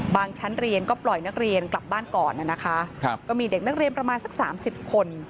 ชั้นเรียนก็ปล่อยนักเรียนกลับบ้านก่อนนะคะก็มีเด็กนักเรียนประมาณสักสามสิบคน